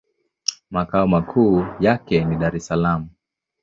Makao makuu yake ni Dar-es-Salaam.